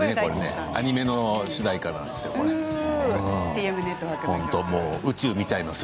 アニメの主題歌なんですよ。